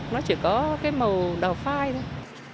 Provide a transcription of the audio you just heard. nó chỉ có cái màu đào phai thôi